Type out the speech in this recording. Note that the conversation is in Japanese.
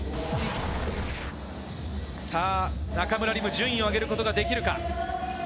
中村輪夢、順位を上げることができるか。